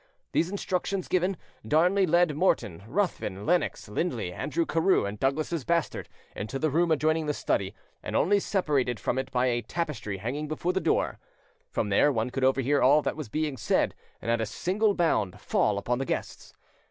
These instructions given, Darnley led Morton, Ruthven, Lennox, Lindley, Andrew Carew, and Douglas's bastard into the room adjoining the study, and only separated from it by a tapestry hanging before the door. From there one could overhear all that was being said, and at a single bound fall upon the guests.